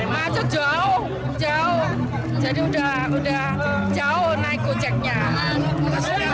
macet dari mana bu